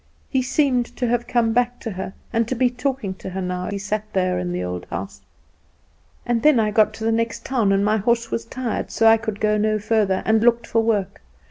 He seemed to have come back to her, and to be talking to her now he sat there in the old house. " and then I got to the next town, and my horse was tired, so I could go no further, and looked for work.